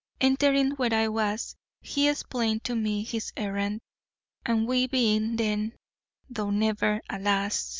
Entering where I was, he explained to me his errand, and we being then though never, alas!